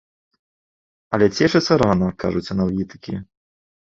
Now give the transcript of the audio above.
Але цешыцца рана, кажуць аналітыкі.